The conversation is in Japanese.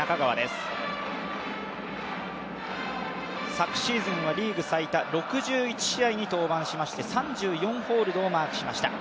昨シーズンはリーグ最多６１試合に登板しまして３４ホールドをマークしました。